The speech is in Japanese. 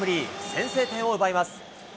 先制点を奪います。